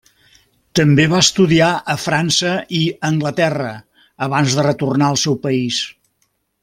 També va estudiar a França i Anglaterra, abans de retornar al seu país.